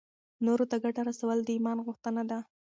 نورو ته ګټه رسول د ایمان غوښتنه ده.